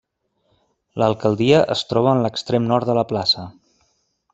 L'Alcaldia es troba en l'extrem nord de la plaça.